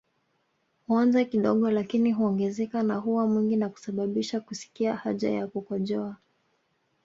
Huanza kidogo lakini huongezeka na huwa mwingi na kusababisha kusikia haja ya kukojoa